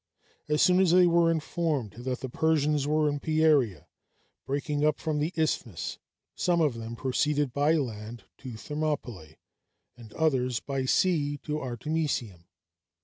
As soon as they were informed that the Persian was in Pieria, breaking up from the Isthmus some of them proceeded by land to Thermopylæ, and others by sea to Artemisium.